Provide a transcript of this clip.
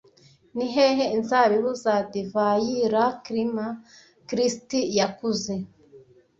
Ni hehe inzabibu za divayi Lacrima Christi yakuze